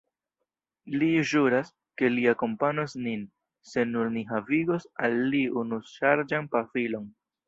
Li ĵuras, ke li akompanos nin, se nur ni havigos al li unuŝargan pafilon.